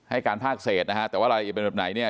ให้การภาคเศษนะครับแต่ว่าอะไรเป็นแบบไหนเนี่ย